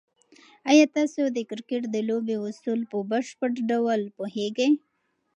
آیا تاسو د کرکټ د لوبې اصول په بشپړ ډول پوهېږئ؟